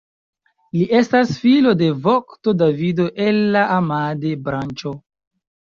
Li estas filo de vokto Davido el la Amade-branĉo.